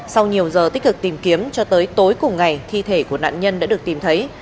sau nhiều giờ tích cực tìm kiếm cho tới tối cùng ngày thi thể của nạn nhân đã được tìm thấy